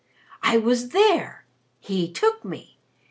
I was there. He took me.